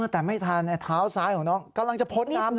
แต่ไม่ทันเท้าซ้ายของน้องกำลังจะพ้นน้ำนะ